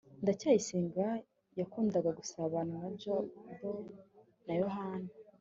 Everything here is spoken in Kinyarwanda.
ndacyayisenga yakundaga gusabana na jabo na yohana